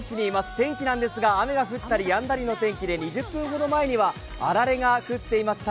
天気なんですが、雨が降ったりやんだりの天気で２０分ほど前にはあられが降っていました。